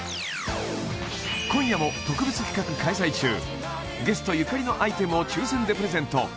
今夜も特別企画開催中ゲストゆかりのアイテムを抽選でプレゼント